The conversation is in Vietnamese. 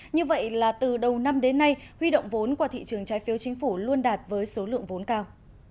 như vậy là từ đầu năm đến nay huy động vốn qua thị trường trái phiếu chính phủ luôn đạt với số lượng vốn cao